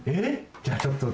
じゃあちょっとつぐみ。